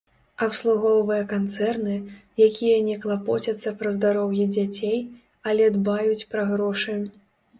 Абслугоўвае канцэрны, якія не клапоцяцца пра здароўе дзяцей, але дбаюць пра грошы.